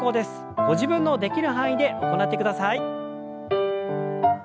ご自分のできる範囲で行ってください。